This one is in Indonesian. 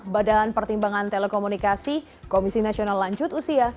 badan pertimbangan telekomunikasi komisi nasional lanjut usia